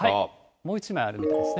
もう一枚あるみたいですね。